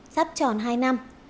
sắp tròn hai năm